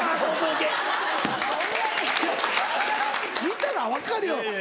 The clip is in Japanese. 見たら分かるよ。